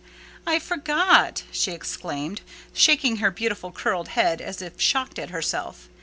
"I forgot!" she exclaimed, shaking her beautiful curled head, as if shocked at herself.